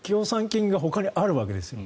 金がほかにあるわけですよ。